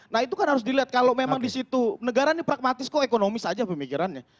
nah itu kan harus dilihat kalau memang di situ negara ini pragmatis kok ekonomis aja pemikirannya